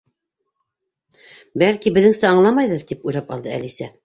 —Бәлки, беҙҙеңсә аңламайҙыр? —тип уйлап алды Әлисә.